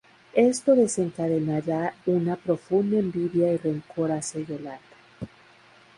Esto desencadenará una profunda envidia y rencor hacia Yolanda.